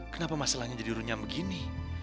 kenapa masalahnya jadi runyam begini